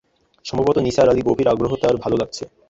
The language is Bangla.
সম্ভবত নিসার আলির গভীর আগ্রহ তাঁর ভালো লাগছে।